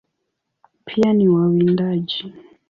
Pia ni wawindaji.